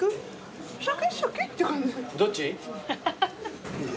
どっち？